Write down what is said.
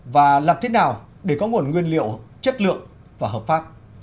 và làm thế nào để có nguồn nguyên liệu chất lượng và hợp pháp